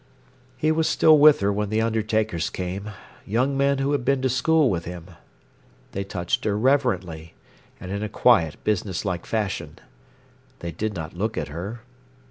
He was still with her when the undertakers came, young men who had been to school with him. They touched her reverently, and in a quiet, businesslike fashion. They did not look at her.